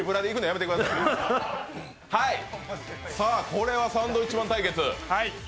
これはサンドウィッチマン対決。